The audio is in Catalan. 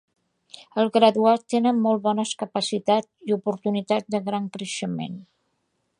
Els graduats tenen molt bones capacitats i oportunitats de gran creixement.